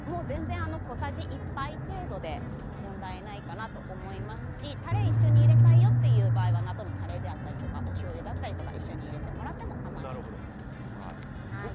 小さじ１杯程度で問題ないかなと思いますしタレを一緒に入れたい場合は納豆のタレやおしょうゆだったりとか一緒に入れてもらっても僕、